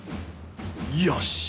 よし！